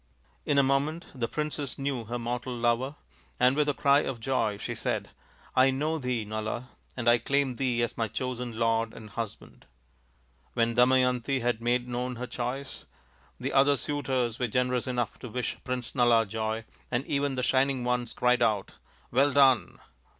In a moment the princess knew her mortal lover, and with a cry of joy she said, " I know thee, Nala, and I claim thee as my chosen lord and husband." When Damayanti had made known her choice, the other suitors were generous enough to wish Prince Nala joy, and even the Shining Ones cried out; " Well done